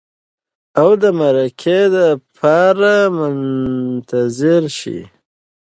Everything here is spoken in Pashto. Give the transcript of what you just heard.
او د مرکې لپاره منتظر شئ.